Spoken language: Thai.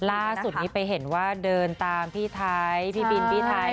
ล่าสุดนี้ไปเห็นว่าเดินตามพี่ไทยพี่บินพี่ไทย